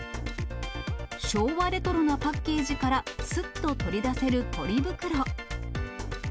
昭和レトロなパッケージから、すっと取り出せるポリ袋。